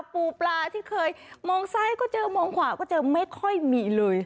ปูปลาที่เคยมองซ้ายก็เจอมองขวาก็เจอไม่ค่อยมีเลย